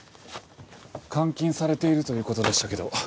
監禁されているという事でしたけど。